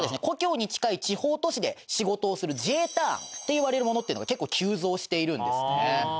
故郷に近い地方都市で仕事をするＪターンっていわれるものっていうのが結構急増しているんですね。